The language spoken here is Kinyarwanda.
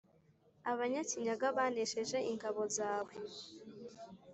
abanyakinyaga banesheje ingabo zawe;